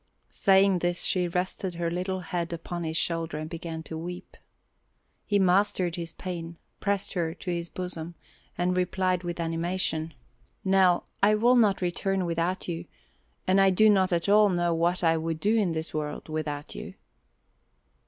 Saying this she rested her little head upon his shoulder and began to weep. He mastered his pain, pressed her to his bosom, and replied with animation: "Nell, I will not return without you and I do not at all know what I would do in this world without you."